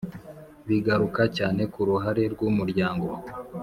bigaruka cyane ku ruhare rw’umuryango